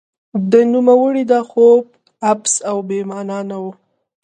د نوموړي دا خوب عبث او بې مانا نه و.